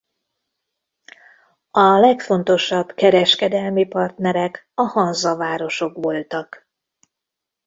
A legfontosabb kereskedelmi partnerek a Hanza-városok voltak.